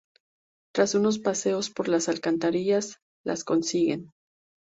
Tras unos paseos por las alcantarillas las consiguen.